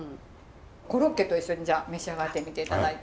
コロッケと一緒に召し上がってみて頂いて。